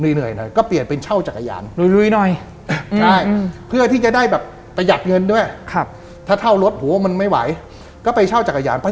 เหนื่อยหน่อยก็เปลี่ยนเป็นเช่าจักรยาน